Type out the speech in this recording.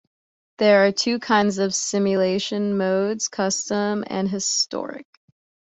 There are two kinds of Simulation modes, Custom and Historic.